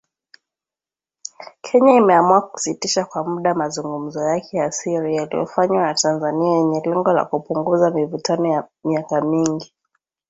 Kenya imeamua kusitisha kwa muda mazungumzo yake ya siri yaliyofanywa na Tanzania yenye lengo la kupunguza mivutano ya miaka mingi.